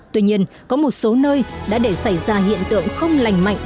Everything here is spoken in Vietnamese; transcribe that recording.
tuy nhiên có một số nơi đã để xảy ra hiện tượng không lành mạnh